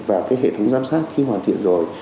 vào cái hệ thống giám sát khi hoàn thiện rồi